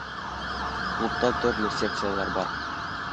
Клубта төрлө секциялар бар